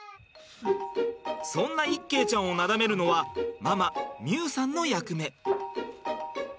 そんな一慶ちゃんをなだめるのはママ未夢さんの役目。